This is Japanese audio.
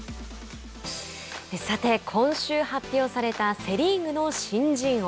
さて今週発表されたセ・リーグの新人王。